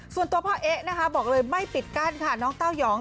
ส่วนตัวพ่อเอ๊ะนะคะบอกเลยไม่ปิดกั้นค่ะน้องเต้ายอง